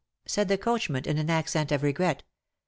said the coachman, in an accent of regret.